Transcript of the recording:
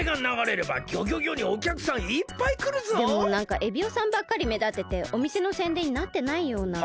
でもなんかエビオさんばっかりめだってておみせのせんでんになってないような。